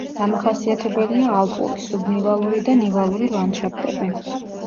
დამახასიათებელია ალპური, სუბნივალური და ნივალური ლანდშაფტები.